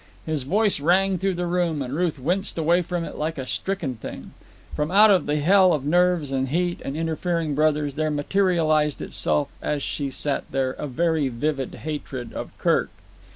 His voice rang through the room, and Ruth winced away from it like a stricken thing. From out of the hell of nerves and heat and interfering brothers there materialized itself, as she sat there, a very vivid hatred of Kirk.